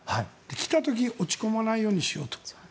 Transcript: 来た時に落ち込まないようにしようと。